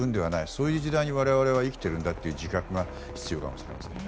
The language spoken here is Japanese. そういう時代に我々は生きているんだという自覚が必要かもしれませんね。